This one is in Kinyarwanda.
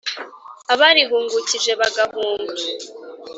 Abarihungukije bagahunga.